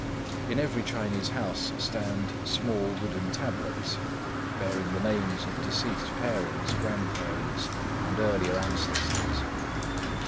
In every Chinese house stand small wooden tablets, bearing the names of deceased parents, grandparents, and earlier ancestors.